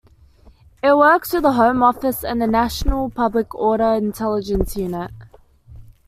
It works with the Home Office, and the National Public Order Intelligence Unit.